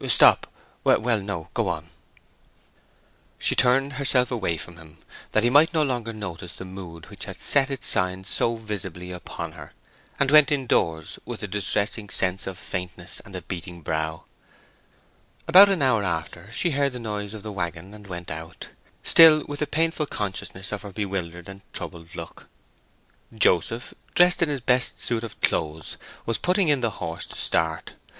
Stop—well no, go on." She turned herself away from him, that he might no longer notice the mood which had set its sign so visibly upon her, and went indoors with a distressing sense of faintness and a beating brow. About an hour after, she heard the noise of the waggon and went out, still with a painful consciousness of her bewildered and troubled look. Joseph, dressed in his best suit of clothes, was putting in the horse to start.